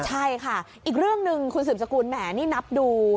ใช่ค่ะอีกเรื่องหนึ่งคุณสืบสกุลแหมนี่นับดู